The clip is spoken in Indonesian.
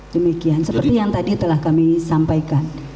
demikian seperti yang tadi telah kami sampaikan